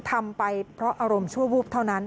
ทำไปเพราะอารมณ์ชั่ววูบเท่านั้น